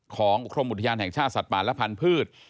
ของกรมอุทยานแห่งชาติสัตว์ป่าและพันธุ์